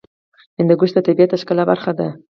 هندوکش د طبیعت د ښکلا برخه ده.